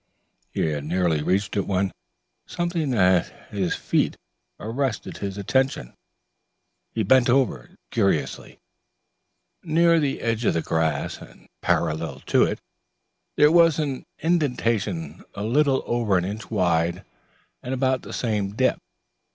He had nearly reached it when something at his feet arrested his attention. He bent over it curiously. Near the edge of the grass and parallel to it, there was an indentation a little over an inch wide and about the same depth.